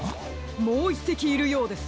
もう１せきいるようです。